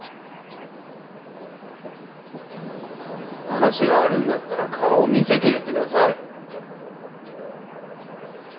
話があるんだったら顔を見せて言ってください。